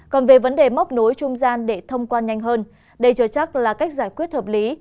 còn về vấn đề móc nối trung gian để thông quan nhanh hơn đây cho chắc là cách giải quyết hợp lý